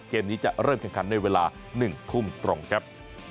เกมนี้จะเริ่มแข่งขันในเวลา๑ทุ่มตรงครับ